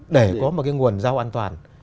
để có một cái nguồn rau an toàn